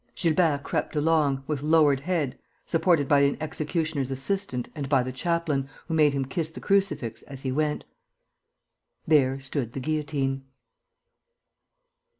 Gilbert crept along, with lowered head, supported by an executioner's assistant and by the chaplain, who made him kiss the crucifix as he went. There stood the guillotine.